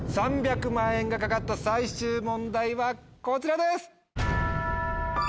３００万円が懸かった最終問題はこちらです！